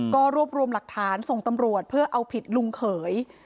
ก็รวบรวมหลักฐานส่งตำรวจเพื่อเอาผิดลุงเขย